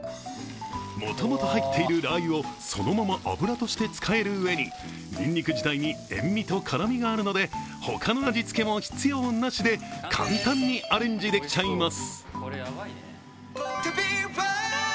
もともと入っているラー油をそのまま油として使えるうえににんにく自体に塩みと辛みがあるので他の味付けも必要なしで簡単にアレンジできちゃいます。